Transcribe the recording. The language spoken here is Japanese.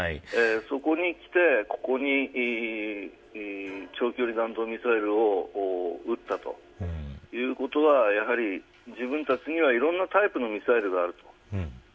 そこにきて、ここに長距離弾道ミサイルを撃ったということはやはり自分たちにはいろんなタイプのミサイルがある。